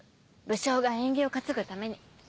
武将が縁起を担ぐために。